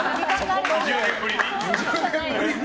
２０年ぶりに？